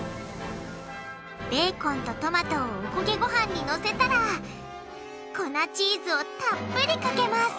ベーコンとトマトをおこげごはんにのせたら粉チーズをたっぷりかけます